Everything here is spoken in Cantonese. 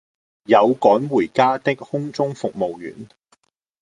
有趕回家的空中服務員